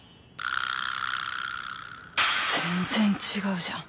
全然違うじゃん。